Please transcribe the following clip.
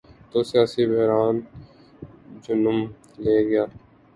تو سیاسی بحران جنم لے گا۔